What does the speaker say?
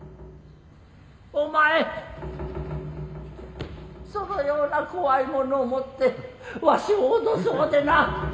お前そのような怖いものを持ってわしをおどそうでなぁ。